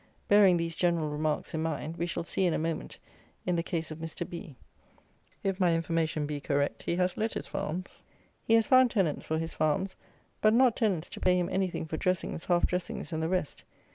Bearing these general remarks in mind, we shall see, in a moment, the case of Mr. B . If my information be correct, he has let his farms: he has found tenants for his farms; but not tenants to pay him anything for dressings, half dressings, and the rest.